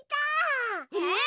えっ？